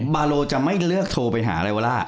บาโลจะไม่เลือกโทรไปหาอะไรวาล่า